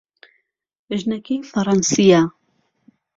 ژنەکەی فەڕەنسییە.